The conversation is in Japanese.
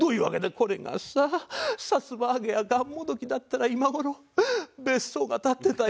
これがささつま揚げやがんもどきだったら今頃別荘が建ってたよ。